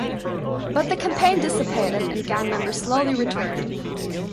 But the campaign dissipated, and gang members slowly returned.